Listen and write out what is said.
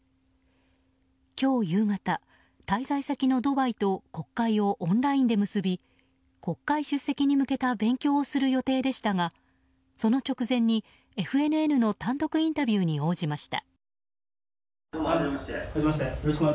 今日夕方、滞在先のドバイと国会をオンラインで結び国会出席に向けた勉強をする予定でしたがその直前に、ＦＮＮの単独インタビューに応じました。